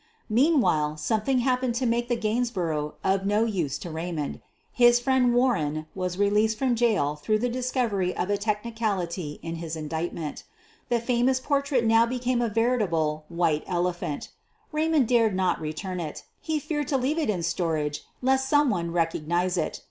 Mem Yhile eo^iething happened to make the Gainsborough of no use to Kaymond— his friend QUEEN OF THE BUEGLAES 53 Warren was released from jail through the dis covery of a technicality in his indictment. The famous portrait now became a veritable " white ele phant.' ' Eaymond dared not return it — he feared 'to leave it in storage lest some one recognize it.